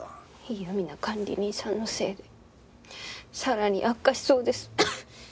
嫌みな管理人さんのせいでさらに悪化しそうです。